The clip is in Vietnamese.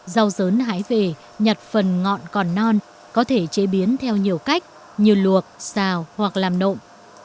rau dớn hái về nhặt phần ngọn còn non có thể chế biến theo nhiều cách như luộc xào hoặc làm nộm